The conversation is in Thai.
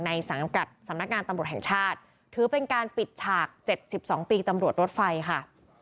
สังกัดสำนักงานตำรวจแห่งชาติถือเป็นการปิดฉาก๗๒ปีตำรวจรถไฟค่ะ